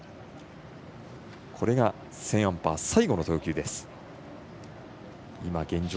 これがセーンアンパー最後の投球です。